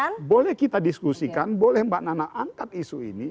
boleh kita bahas boleh kita diskusikan boleh mbak nana angkat isu ini